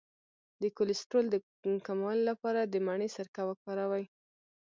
د کولیسټرول د کمولو لپاره د مڼې سرکه وکاروئ